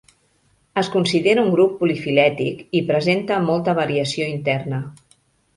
Es considera un grup polifilètic i presenta molta variació interna.